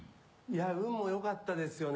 運も良かったですよね。